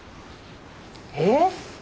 えっ？